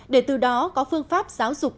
để từ đó có phương pháp giáo dục